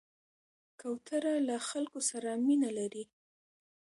کوتره له خلکو سره مینه لري.